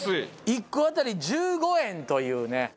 １個当たり１５円というね。